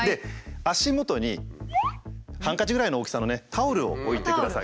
足元にハンカチぐらいの大きさのねタオルを置いてください。